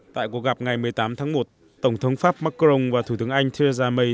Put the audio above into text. tại cuộc gặp ngày một mươi tám tháng một tổng thống pháp macron và thủ tướng anh theresa may